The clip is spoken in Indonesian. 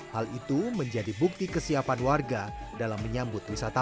hal itu menjadi bukti kesiapan warga dalam menyambut wisatawan